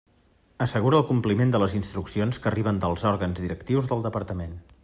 Assegura el compliment de les instruccions que arriben dels òrgans directius del Departament.